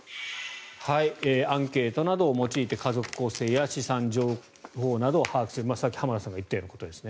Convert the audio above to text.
アンケートなどを用いて家族構成や資産情報などを把握するさっき浜田さんが言ったようなことですね。